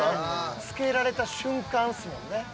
つけられた瞬間ですもんね。